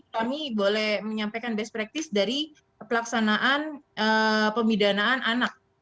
kami boleh menyampaikan best practice dari pelaksanaan pemidanaan anak